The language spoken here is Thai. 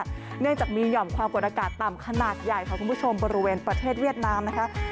เนื่องจากมีห่อมความกดอากาศต่ำขนาดใหญ่ค่ะคุณผู้ชมบริเวณประเทศเวียดนามนะคะ